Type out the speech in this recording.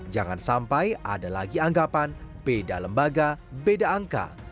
jangan sampai ada lagi anggapan beda lembaga beda angka